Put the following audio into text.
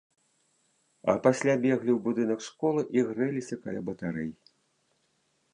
А пасля беглі ў будынак школы і грэліся каля батарэй.